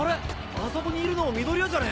あそこにいるの緑谷じゃね？